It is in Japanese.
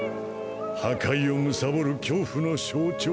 破壊を貪る恐怖の象徴！